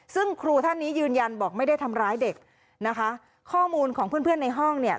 ซึ่งครูท่านนี้ยืนยันบอกไม่ได้ทำร้ายเด็กนะคะข้อมูลของเพื่อนเพื่อนในห้องเนี่ย